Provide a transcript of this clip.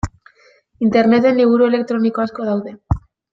Interneten liburu elektroniko asko daude.